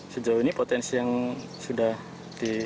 sejauh ini potensi yang sudah di